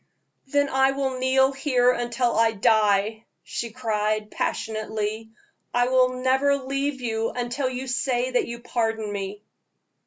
"Then I will kneel here until I die," she cried, passionately; "I will never leave you until you say that you pardon me!"